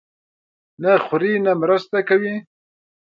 نه خوري، نه مرسته کوي.